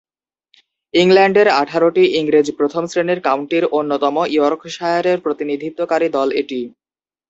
ইংল্যান্ডের আঠারোটি ইংরেজ প্রথম-শ্রেণীর কাউন্টির অন্যতম ইয়র্কশায়ারের প্রতিনিধিত্বকারী দল এটি।